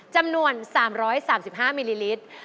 จำนวน๓๓๕มิลลิลิตร